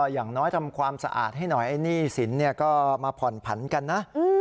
อย่างน้อยทำความสะอาดให้หน่อยไอ้หนี้สินก็มาผ่อนผันกันนะ